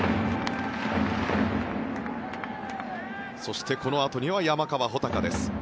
そして、このあとには山川穂高です。